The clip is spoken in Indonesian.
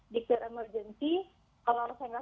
dikir emergency kalau saya tidak